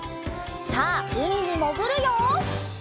さあうみにもぐるよ！